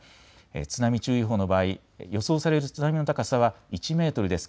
津波注意報の場合、予想される津波の高さは１メートルです。